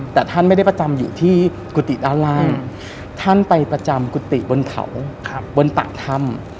แต่ท่านไม่ได้ประจำอยู่ที่กุฏิด้านล่างท่านไปประจำกุฏิบนเขาบนตักถ้ำ